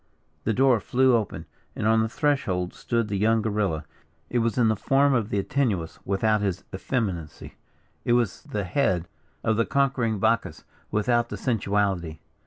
The door flew open, and on the threshold stood the young guerilla. It was the form of the Antinuous, without his effeminacy it was the head of the conquering Bacchus, without the sensuality.